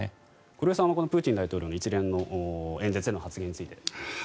黒井さんはプーチン大統領の一連の演説での発言については。